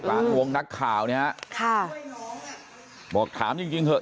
บอกถามจริงเหมือนกันฮะท่านตัวลูกนักข่าวบอกถามจริงเถอะ